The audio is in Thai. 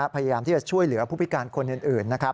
พยายามที่จะช่วยเหลือผู้พิการคนอื่นนะครับ